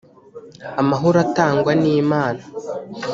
amahoro atangwa nimana.